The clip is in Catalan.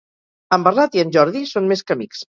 En Bernat i en Jordi són més que amics.